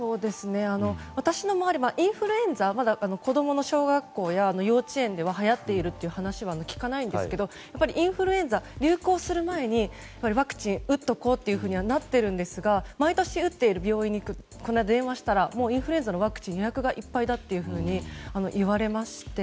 私の周りはインフルエンザまだ、子供の小学校や幼稚園でははやっているという話は聞かないんですけどやっぱりインフルエンザが流行する前にワクチンを打っておこうとはなっているんですが毎年打っている病院に電話したらインフルエンザのワクチンは予約がいっぱいだと言われまして。